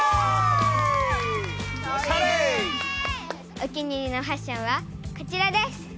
お気に入りのファッションはこちらです。